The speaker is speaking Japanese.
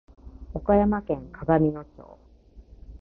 岡山県鏡野町